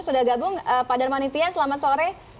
sudah gabung pak darmanin tias selamat sore